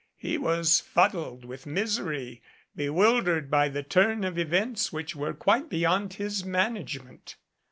He was fuddled with misery, bewildered by the turn of events which were quite beyond his management.